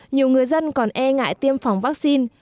nhiều người dân còn e ngại tiêm phòng vaccine